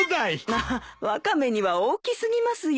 まあワカメには大き過ぎますよ。